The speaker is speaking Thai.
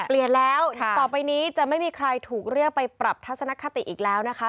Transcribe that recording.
เปลี่ยนแล้วต่อไปนี้จะไม่มีใครถูกเรียกไปปรับทัศนคติอีกแล้วนะคะ